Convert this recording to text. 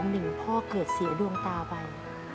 หนึ่งพ่อเกิดเสียดวงตาไป